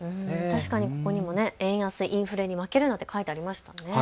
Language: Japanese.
確かにここに円安・インフレに負けるなと書いてありますよね。